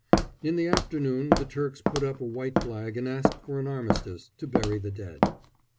In the afternoon the Turks put up a white flag and asked for an armistice, to bury the dead.